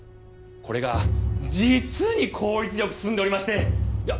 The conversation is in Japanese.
これが実に効率よく進んでおりましていや